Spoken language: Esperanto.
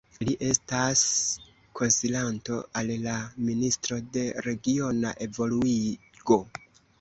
Li estas konsilanto al la Ministro de Regiona Evoluigo.